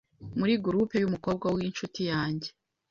muri gurupe y’ umukobwa w’ inshuti yajye